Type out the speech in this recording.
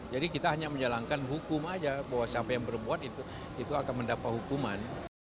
jadi kita hanya menjalankan hukum saja bahwa siapa yang berbuat itu akan mendapat hukuman